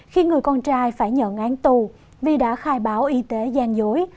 khi người con trai phải nhận án tù vì đã khai báo y tế gian dối